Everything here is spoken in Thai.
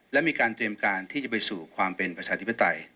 และมีการเตรียมการที่จะไปสู่ความเป็นประชาธิปไตย